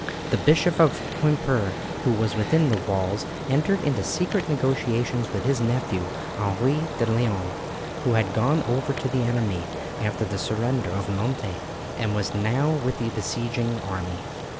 The Bishop of Quimper who was within the walls, entered into secret negotiations with his nephew, Henry de Leon, who had gone over to the enemy after the surrender of Nantes, and was now with the besieging army.